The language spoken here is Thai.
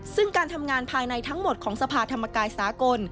ซึ่งการทำงานภายในทั้งหมดของสภาธรรมกายสากล